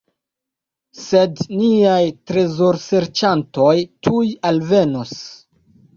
Sed niaj trezorserĉantoj tuj alvenos.